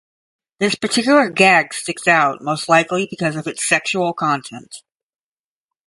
This particular gag sticks out, most likely because of its sexual content.